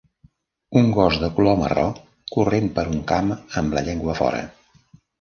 un gos de color marró corrent per un camp amb la llengua fora